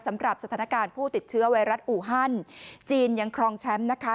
สำหรับสถานการณ์ผู้ติดเชื้อไวรัสอูฮันจีนยังครองแชมป์นะคะ